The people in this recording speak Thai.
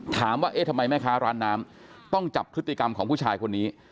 ถามว่าเอ๊ะทำไมแม่ค้าร้านน้ำต้องจับพฤติกรรมของผู้ชายคนนี้